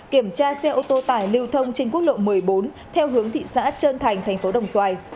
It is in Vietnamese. kiểm tra xe ô tô tải lưu thông trên quốc lộ một mươi bốn theo hướng thị xã trơn thành thành phố đồng xoài